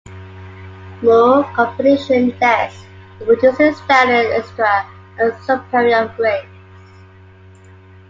Moore combination desks were produced in standard, extra, and superior grades.